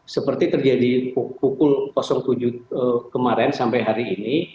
seperti terjadi pukul tujuh kemarin sampai hari ini